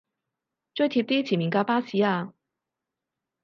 追貼啲前面架巴士吖